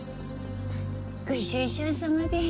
ご愁傷さまでーす。